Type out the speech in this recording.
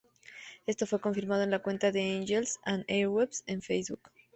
Esto fue confirmado en la cuenta de Angels and Airwaves en Facebook.